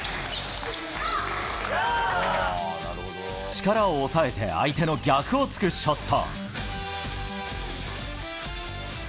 力を抑えて相手の逆を突くショット。